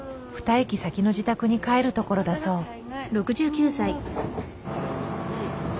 ２駅先の自宅に帰るところだそう。